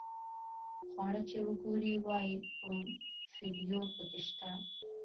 خواړه چې وګوري وایي کوم فلېور په کې شته.